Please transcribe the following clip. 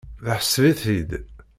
Tesbeɣ-it-id.